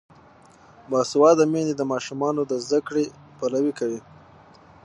باسواده میندې د ماشومانو د زده کړې پلوي کوي.